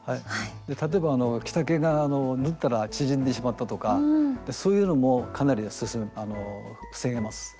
例えば着丈が縫ったら縮んでしまったとかそういうのもかなり防げます。